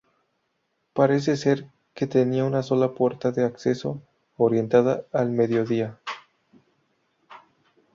Parece ser que tenía una sola puerta de acceso, orientada al mediodía.